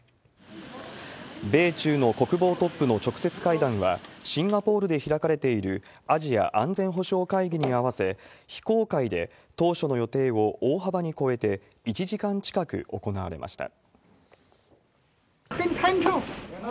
米中の国防トップの直接会談は、シンガポールで開かれているアジア安全保障会議に合わせ、非公開で当初の予定を大幅に超えて、１時間近く行われました。